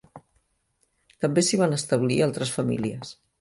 També s'hi van establir altres famílies.